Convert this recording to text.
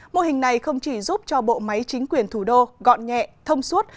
mô hình này không chỉ giúp cho bộ máy chính quyền thủ đô gọn nhẹ thông suốt